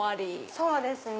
そうですね。